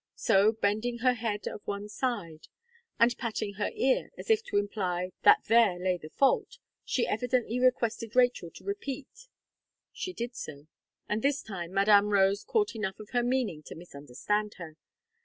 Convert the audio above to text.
So, bending her head of one side, and patting her ear, as if to imply that there lay the fault, she evidently requested Rachel to repeat She did so; and this time, Madame Rose caught enough of her meaning to misunderstand her.